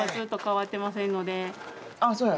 あっそうや。